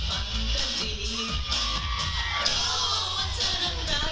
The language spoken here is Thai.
ไม่อยากจะต้องมันต้องนาน